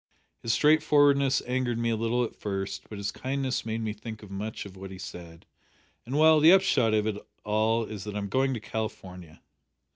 His straightforwardness angered me a little at first, but his kindness made me think much of what he said, and well, the upshot of it all is that I am going to California."